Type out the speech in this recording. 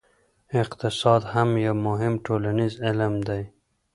اقتصاد هم یو مهم ټولنیز علم دی.